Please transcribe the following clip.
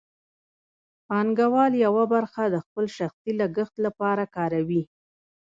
پانګوال یوه برخه د خپل شخصي لګښت لپاره کاروي